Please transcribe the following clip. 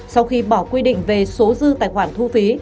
sau khi bỏ quy định về số dư tài khoản thu phí